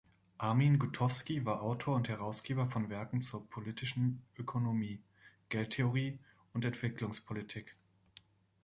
Armin Gutowski war Autor und Herausgeber von Werken zur Politischen Ökonomie, Geldtheorie und Entwicklungspolitik.